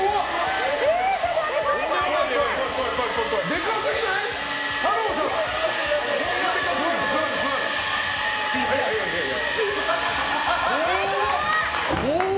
でかすぎない？